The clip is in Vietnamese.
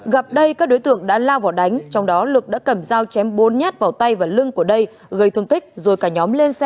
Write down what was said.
gặp đây các đối tượng đã lao vào đánh trong đó lực đã cầm dao chém bốn nhát vào tay và lưng của đây gây thương tích